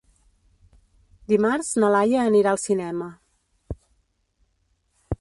Dimarts na Laia anirà al cinema.